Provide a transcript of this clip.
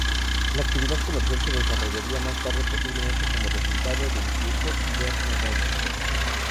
La actividad comercial se desarrollaría más tarde posiblemente como resultado del influjo hiberno-nórdico.